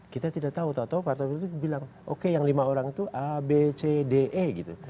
kita tidak tahu tau tau partai politik bilang oke yang lima orang itu a b c d e gitu